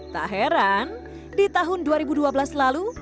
tak heran di tahun dua ribu dua belas lalu